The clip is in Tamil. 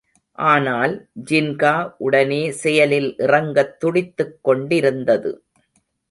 ஆனால், ஜின்கா உடனே செயலில் இறங்கத் துடித்துக்கொண்டிருந்தது.